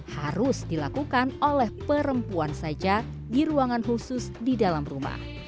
harus dilakukan oleh perempuan saja di ruangan khusus di dalam rumah